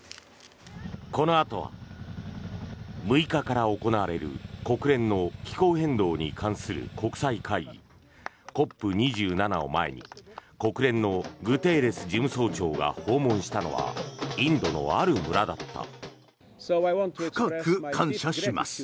このあとは６日から行われる国連の気候変動に関する国際会議ＣＯＰ２７を前に国連のグテーレス事務総長が訪問したのはインドのある村だった。